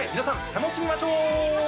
楽しみましょう！